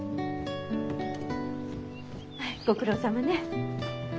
ご苦労さまね。